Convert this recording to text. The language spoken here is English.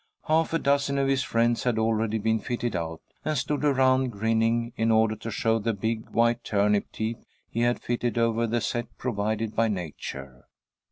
Half a dozen of his friends had already been fitted out, and stood around, grinning, in order to show the big white turnip teeth he had fitted over the set provided by Nature.